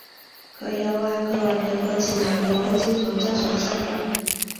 佢有啊，佢話佢個前男友好似唐僧上身噉